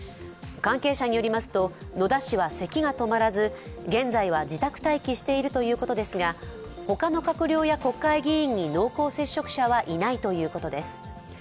関係者によりますと、野田氏はせきが止まらず現在は自宅待機しているということですが、他の閣僚や国会議員に濃厚接触者はいないということです。